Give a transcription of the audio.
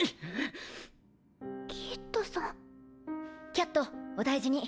キャットお大事に。